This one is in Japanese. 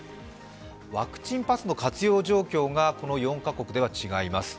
ワンチンパスの活用状況がこの４カ国では違います。